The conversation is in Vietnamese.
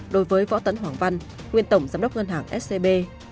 đối với võ tấn hoàng văn nguyên tổng giám đốc ngân hàng scb